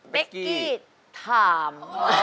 เบ็กกี้ถาม